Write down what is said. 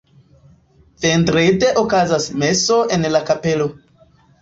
Vendrede okazas meso en la kapelo.